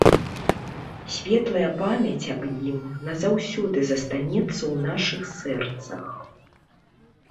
Светлая памяць аб ім назаўсёды застанецца ў нашых сэрцах.